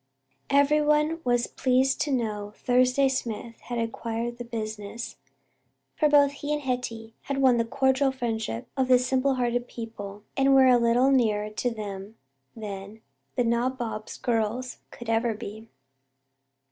Everyone was pleased to know Thursday Smith had acquired the business, for both he and Hetty had won the cordial friendship of the simple hearted people and were a little nearer to them than "the nabob's girls" could ever be.